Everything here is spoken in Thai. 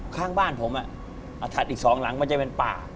ข้างบ้านผมอ่ะอาทัดอีก๒หลังมันจะเป็นป่า